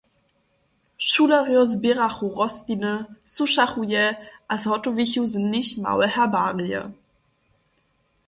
Šulerjo zběrachu rostliny, sušachu je a zhotowichu z nich małe herbarije.